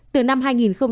từ năm hai nghìn hai mươi